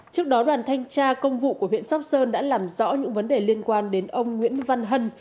trước đó đoàn thanh tra công vụ của huyện sóc sơn đã làm rõ những vấn đề liên quan đến ông nguyễn văn hân